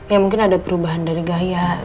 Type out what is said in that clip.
ya mungkin ada perubahan dari gaya